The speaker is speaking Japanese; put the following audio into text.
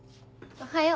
おはよう。